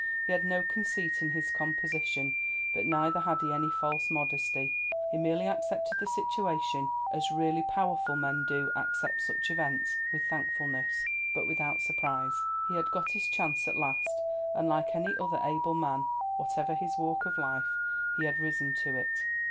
He had no conceit in his composition, but neither had he any false modesty. He merely accepted the situation as really powerful men do accept such events—with thankfulness, but without surprise. He had got his chance at last, and like any other able man, whatever his walk of life, he had risen to it.